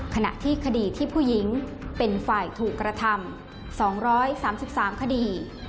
ขณะที่คดีที่ผู้หญิงเป็นฝ่ายถูกกระทำ๒๓๓คดี